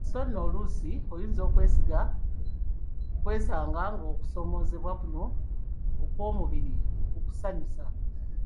So nno oluusi oyinza nokwesanga nga okusoomoozebwa kuno okw'omubiri kukusanyusa.